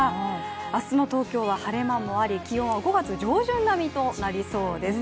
明日の東京は晴れ間もあり気温は５月上旬並みとなりそうです。